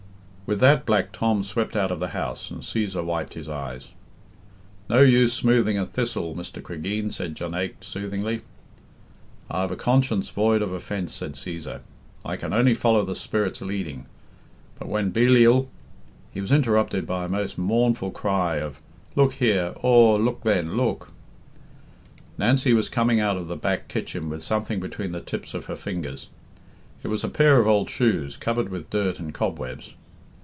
With that Black Tom swept out of the house, and Cæsar wiped his eyes. "No use smoothing a thistle, Mr. Cregeen," said Jonaique soothingly. "I've a conscience void of offence." said Cæsar. "I can only follow the spirit's leading. But when Belial " He was interrupted by a most mournful cry of "Look here! Aw, look, then, look!" Nancy was coming out of the back kitchen with something between the tips of her fingers. It was a pair of old shoes, covered with dirt and cobwebs.